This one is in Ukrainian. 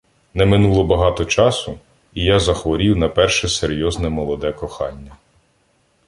Не минуло багато часу, і я "захворів" на перше серйозне молоде кохання.